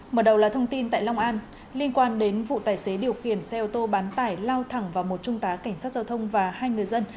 mở đầu là thông tin tại long an liên quan đến vụ tài xế điều khiển xe ô tô bán tải lao thẳng vào một trung tá cảnh sát giao thông và hai người dân